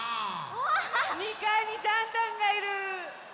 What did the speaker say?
２かいにジャンジャンがいる！